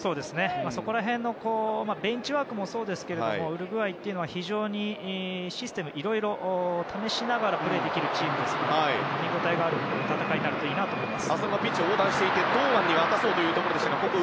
そこら辺ベンチワークもそうですがウルグアイというのは非常にシステムをいろいろと試しながらプレーできるチームなので見ごたえがある戦いになるといいと思います。